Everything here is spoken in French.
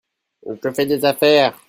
Je fais des affaires.